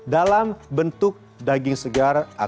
dalam bentuk daging segar atau daging olahan